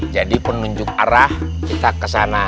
jadi penunjuk arah kita ke sana